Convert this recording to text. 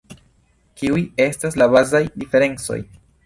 Kiuj estas la bazaj diferencoj?